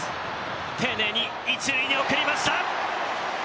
丁寧に１塁に送りました。